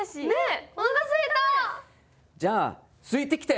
じゃあついてきて！